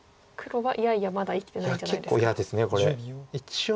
はい。